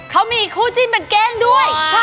เขามีคู่จิ้นเป็นแกล้งด้วย